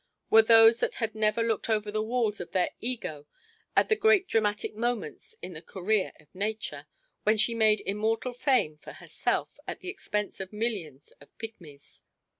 were those that had never looked over the walls of their ego at the great dramatic moments in the career of Nature, when she made immortal fame for herself at the expense of millions of pigmies.